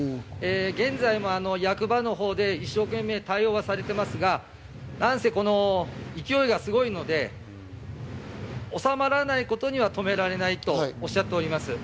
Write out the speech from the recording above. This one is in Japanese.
現在も役場のほうで一生懸命対応されていますが、なんせ、この勢いがすごいので、収まらないことには止められないとおっしゃっております。